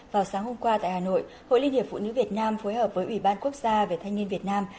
vào sáng hôm qua tại hà nội hội liên hiệp phụ nữ việt nam phối hợp với ủy ban quốc gia về thanh niên việt nam